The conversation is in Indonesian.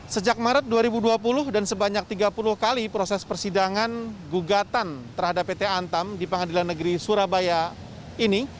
sejak maret dua ribu dua puluh dan sebanyak tiga puluh kali proses persidangan gugatan terhadap pt antam di pengadilan negeri surabaya ini